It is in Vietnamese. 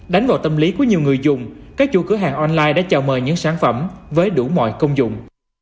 đánh vào tâm lý của nhiều người dùng các chủ cửa hàng online đã chào mời những sản phẩm với đủ mọi công dụng